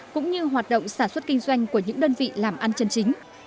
cũng như hoạt động sản xuất kinh doanh của những đơn vị làm ăn chân chính